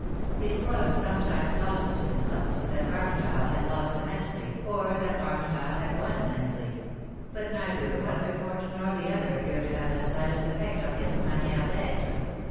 It was sometimes gossiped in the clubs that Armondyle had lost immensely, or that Armondyle. had won immensely ; but neither the one report nor the other appeared to have the slightest effect on his manihre d'etre.